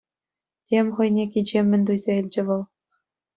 Тем хӑйне кичеммӗн туйса илчӗ вӑл.